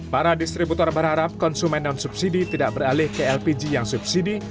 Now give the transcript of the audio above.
para distributor berharap konsumen non subsidi tidak beralih ke lpg yang subsidi